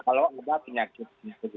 kalau ada penyakit